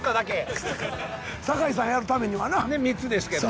３つですけど。